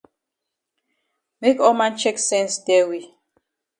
Make all man chek sense tell we.